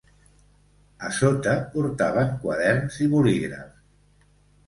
A sota portaven quaderns i bolígrafs.